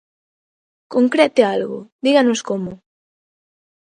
Concrete algo, díganos como.